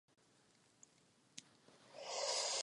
Po mase je poptávka v Asii.